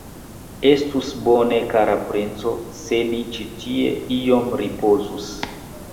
Estus bone, kara princo, se ni ĉi tie iom ripozus.